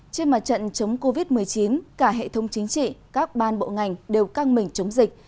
trên mặt trận chống covid một mươi chín cả hệ thống chính trị các ban bộ ngành đều căng mình chống dịch